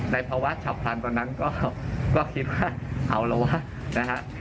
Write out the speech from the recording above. ในภาวะฉับพันตอนนั้นก็ก็คิดว่าเอาล่ะว่านะครับ